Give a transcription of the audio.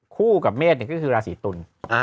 คู่กับเมศเนี่ยก็คือราศีตุล